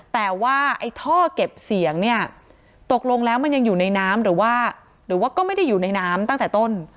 แต่ว่าไอ้ท่อเก็บเสียงเนี่ยตกลงแล้วมันยังอยู่ในน้ำหรือว่าหรือว่าก็ไม่ได้อยู่ในน้ำตั้งแต่ต้น